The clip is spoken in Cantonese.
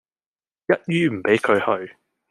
一於唔畀佢去